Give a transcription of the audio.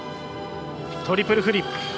トリプルフリップ。